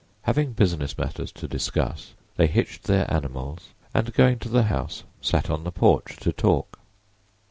Having business matters to discuss, they hitched their animals and going to the house sat on the porch to talk.